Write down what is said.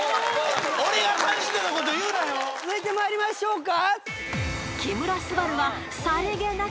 続いて参りましょうか。